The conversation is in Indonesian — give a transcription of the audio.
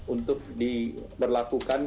untuk di berlakukan